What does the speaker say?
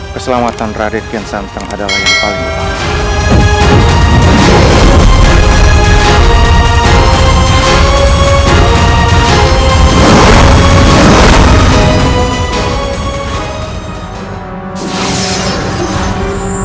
keselamatan radit gensanteng adalah yang paling penting